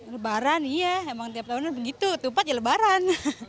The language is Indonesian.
lebaran iya emang tiap tahunnya begitu tumpat ya lebaran